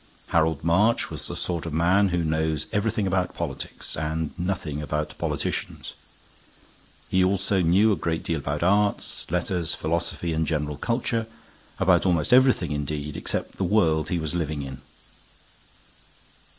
Harold March was the sort of man who knows everything about politics, and nothing about politicians. He also knew a great deal about art, letters, philosophy, and general culture; about almost everything, indeed, except the world he was living in.